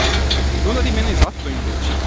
Nulla di meno esatto, invece!